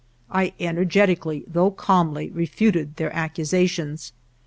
I energetically, though calmly, re futed their accusations.